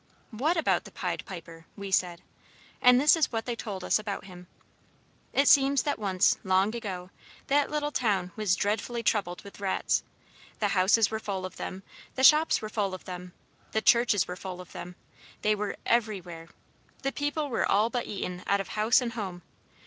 "What about the Pied Piper?" we said. And this is what they told us about him. It seems that once, long, long ago, that little town was dreadfully troubled with rats. The houses were full of them, the shops were full of them, the churches were full of them, they were everywhere. The people were all but eaten out of house and home.